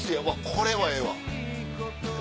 これはええわ。